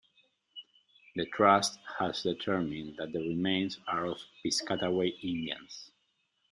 The trust has determined that the remains are of Piscataway Indians.